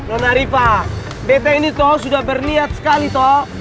nona riva beta ini tuh sudah berniat sekali toh